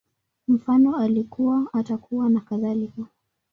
Mfano, Alikuwa, Atakuwa, nakadhalika